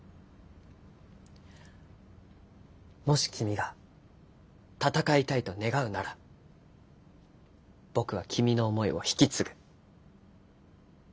もし君が戦いたいと願うなら僕は君の思いを引き継ぐ。